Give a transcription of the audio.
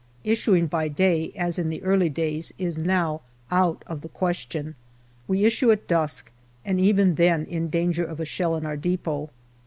Issuing by day, as in the early days, is now out of the question. We issue at dusk, and even then hi danger of a shell in our depot.